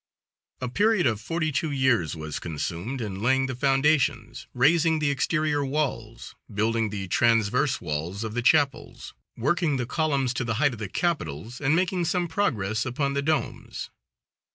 A period of forty two years was consumed in laying the foundations, raising the exterior walls, building the transverse walls of the chapels, working the columns to the height of the capitals, and making some progress upon the domes.